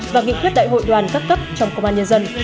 và nghị quyết đại hội đoàn các cấp trong công an nhân dân